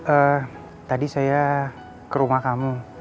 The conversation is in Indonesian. eh tadi saya ke rumah kamu